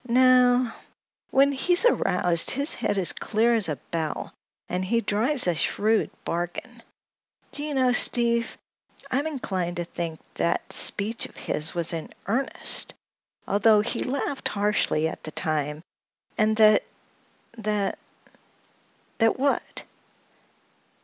"No; when he's aroused his head is clear as a bell and he drives a shrewd bargain. Do you know, Steve, I'm inclined to think that speech of his was in earnest, although he laughed harshly at the time, and that—that—" "That what?"